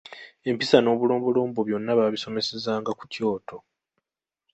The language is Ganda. Empisa n'obulombolombo byonna baabisomesezanga ku kyoto.